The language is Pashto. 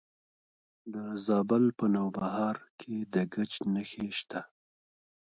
د زابل په نوبهار کې د ګچ نښې شته.